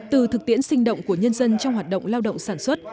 từ thực tiễn sinh động của nhân dân trong hoạt động lao động sản xuất